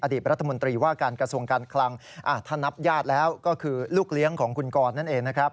รัฐมนตรีว่าการกระทรวงการคลังถ้านับญาติแล้วก็คือลูกเลี้ยงของคุณกรนั่นเองนะครับ